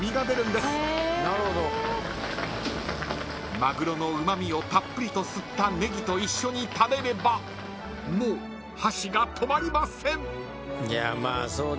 ［マグロのうま味をたっぷりと吸ったネギと一緒に食べればもう箸が止まりません］